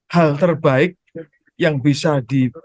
hal terbaik yang bisa di